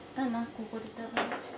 ここで食べな。